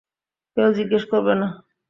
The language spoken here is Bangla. কেউ জিজ্ঞেস করবে না।